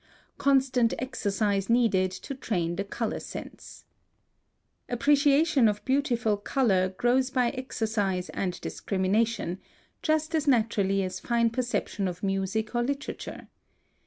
+Constant exercise needed to train the color sense.+ (175) Appreciation of beautiful color grows by exercise and discrimination, just as naturally as fine perception of music or literature.